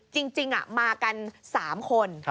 จริงมากัน๓คน